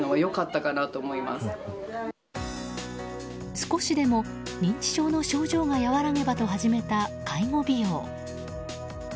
少しでも認知症の症状が和らげばと始めた介護美容。